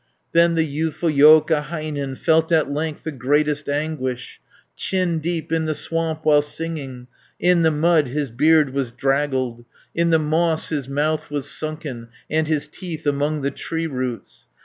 Then the youthful Joukahainen, Felt at length the greatest anguish, Chin deep in the swamp while sinking, In the mud his beard was draggled, In the moss his mouth was sunken, And his teeth among the tree roots.